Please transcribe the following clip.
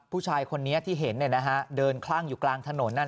ผู้ชายคนนี้ที่เห็นเนี่ยนะฮะเดินคลั่งอยู่กลางถนนนั้น